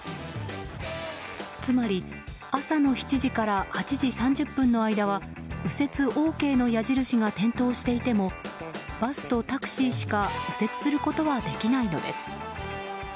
つまり朝の７時から８時３０分の間は右折ＯＫの矢印が点灯していてもバスとタクシーしか右折することはできないのです。